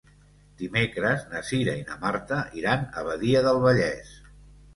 Dimecres na Cira i na Marta iran a Badia del Vallès.